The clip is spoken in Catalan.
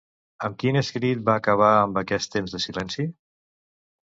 Amb quin escrit va acabar amb aquest temps de silenci?